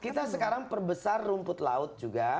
kita sekarang perbesar rumput laut juga